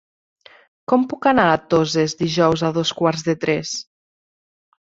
Com puc anar a Toses dijous a dos quarts de tres?